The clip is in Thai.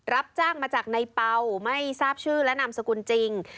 รับจ้างมาจากในเป่าไม่ทราบชื่อและนามสกุลจริง